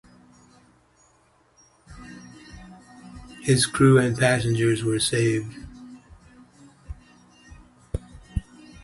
Her crew and passengers were saved.